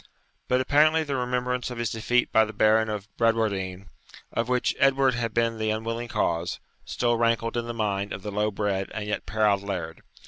But apparently the remembrance of his defeat by the Baron of Bradwardine, of which Edward had been the unwilling cause, still rankled in the mind of the low bred and yet proud laird.